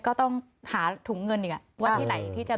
ก็ต้องหาถุงเงินอีกว่าที่ไหนที่จะ